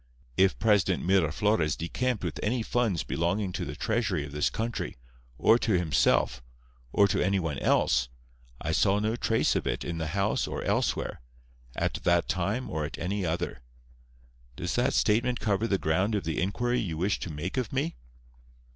If President Miraflores decamped with any funds belonging to the treasury of this country, or to himself, or to anyone else, I saw no trace of it in the house or elsewhere, at that time or at any other. Does that statement cover the ground of the inquiry you wished to make of me?"